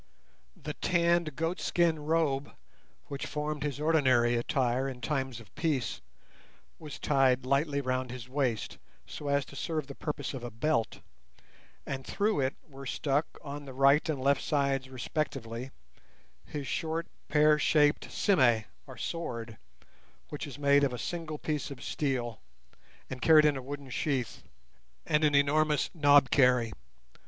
The tanned goatskin robe, which formed his ordinary attire in times of peace, was tied lightly round his waist, so as to serve the purposes of a belt, and through it were stuck, on the right and left sides respectively, his short pear shaped sime, or sword, which is made of a single piece of steel, and carried in a wooden sheath, and an enormous knobkerrie.